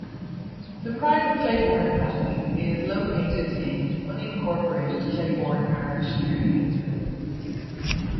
The private Claiborne Academy is located in unincorporated Claiborne Parish, near Haynesville.